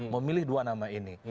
memilih dua nama ini